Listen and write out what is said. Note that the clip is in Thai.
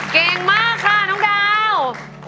เก่งมากค่ะน้องดาว